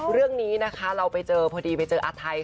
เรื่องนี้นะคะเราไปเจอพอดีไปเจออาทัย